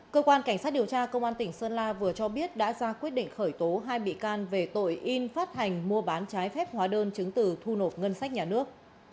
cơ quan cảnh sát điều tra công an tỉnh sơn la vừa cho biết đã ra quyết định khởi tố hai bị can về tội in phát hành mua bán trái phép hóa đơn chứng từ thu nộp ngân sách nhà nước